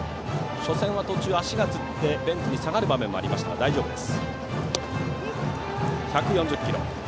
初戦は途中、足がつってベンチに下がる場面もありましたが大丈夫です。